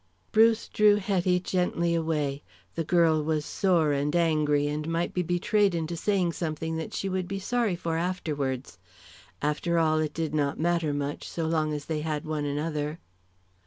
Bruce drew Hetty gently away. The girl was sore and angry, and might be betrayed into saying something that she would be sorry for afterwards. After all, it did not matter much so long as they had one another.